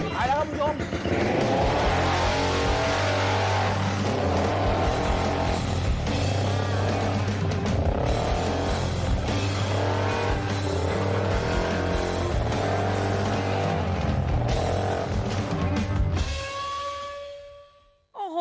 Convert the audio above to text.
ไปแล้วครับคุณผู้ชม